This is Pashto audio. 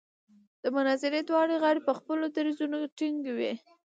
د مناظرې دواړه غاړې په خپلو دریځونو ټینګې وې.